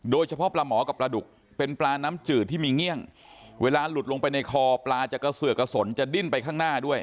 โดยเฉพาะปลาหมอกับปลาดุกเป็นปลาน้ำจืดที่มีเงี่ยงเวลาหลุดลงไปในคอปลาจะกระเสือกกระสนจะดิ้นไปข้างหน้าด้วย